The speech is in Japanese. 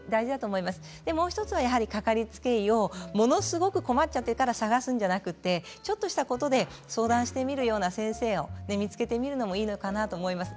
それから、もう１つは掛かりつけ医をものすごく困ってから探すのではなくてちょっとしたことでも相談してみる先生を見つけてみてもいいのかなと思います。